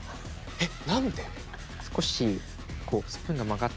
えっ！